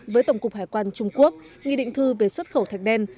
với tổng cục hải quan trung quốc nghị định thư về xuất khẩu thạch đen